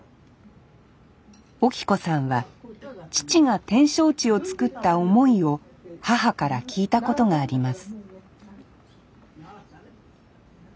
オキ子さんは父が展勝地をつくった思いを母から聞いたことがあります